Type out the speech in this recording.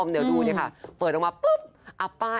เดินมันออกมาปุ๊บ